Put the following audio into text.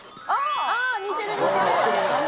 あー、似てる、似てる。